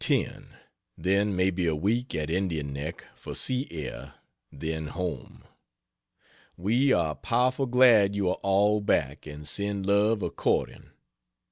10; then maybe a week at Indian Neck for sea air, then home. We are powerful glad you are all back; and send love according.